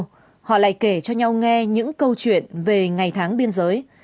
sau bốn mươi năm họ lại kể cho nhau nghe những câu chuyện về ngày tháng biên giới